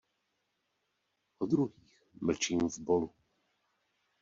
O druhých mlčím v bolu.